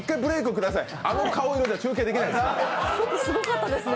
あの顔色じゃ中継できないですからね。